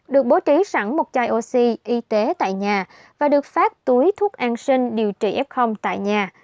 được bố trí sẵn một chai oxy y tế tại nhà và được phát túi thuốc an sinh điều trị f tại nhà